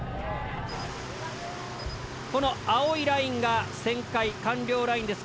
この青いラインが旋回完了ラインです。